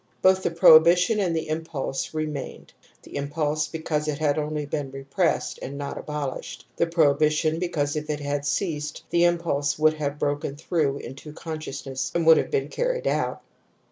Both the prohibition and the impulse remained ; the impulse because it had only been repressed and not abolished, the prohibi tion, because if it had ceased the impulse would have broken through into consciousness and would have been carried out.